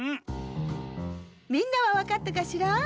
みんなはわかったかしら？